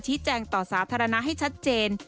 แจ้งต่อสาธารณะให้ชัดเจน